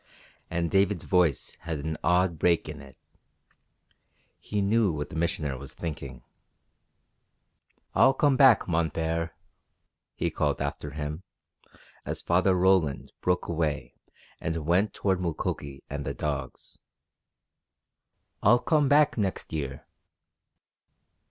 And David's voice had an odd break in it. He knew what the Missioner was thinking. "I'll come back, mon Père," he called after him, as Father Roland broke away and went toward Mukoki and the dogs. "I'll come back next year!"